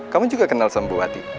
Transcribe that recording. kamu juga kenal sama buah hati